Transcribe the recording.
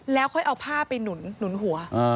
แล้วค่อยเอาผ้าไปหนุนหัว